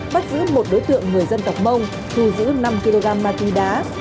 bắt giữ một đối tượng người dân tộc mông thu giữ năm kg ma túy đá